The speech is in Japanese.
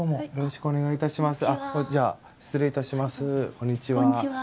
こんにちは。